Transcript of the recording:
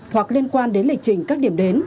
hoặc liên quan đến lịch trình các điểm đến